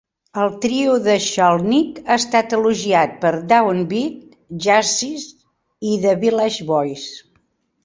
El trio d'Skolnick ha estat elogiat per "Down Beat", "Jazziz" i "The Village Voice".